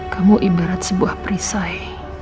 kamu ibarat sebuah perisai